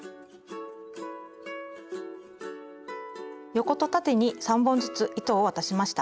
横と縦に３本ずつ糸を渡しました。